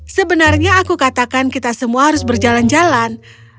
sebenarnya aku katakan kita semua harus berjalan jalan